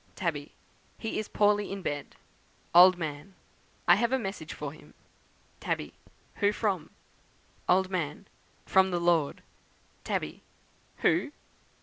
"Tabby. 'He is poorly in bed.' "Old Man. 'I have a message for him.' "Tabby. 'Who from?' "Old Man. 'From the Lord.' "Tabby. 'Who?'